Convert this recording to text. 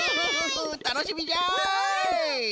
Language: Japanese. たのしみじゃい！